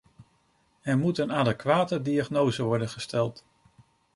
Er moet een adequate diagnose worden gesteld.